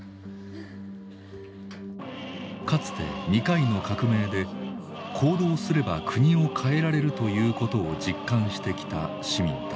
かつて２回の革命で行動すれば国を変えられるということを実感してきた市民たち。